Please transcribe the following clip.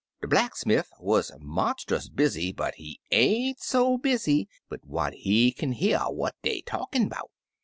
De blacksmifT wuz monstus busy, but he ain't so busy but what he kin hear what dey talkin' 'bout.